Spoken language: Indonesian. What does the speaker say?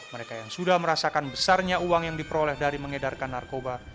mereka yang sudah merasakan besarnya uang yang diperoleh dari mengedarkan narkoba